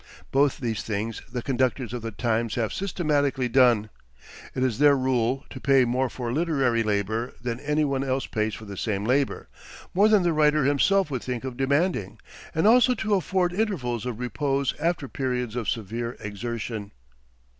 Both these things the conductors of "The Times" have systematically done. It is their rule to pay more for literary labor than any one else pays for the same labor, more than the writer himself would think of demanding, and also to afford intervals of repose after periods of severe exertion.